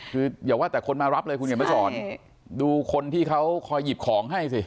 คืออย่าว่าแต่คนมารับเลยคุณเขียนมาสอนดูคนที่เขาคอยหยิบของให้สิ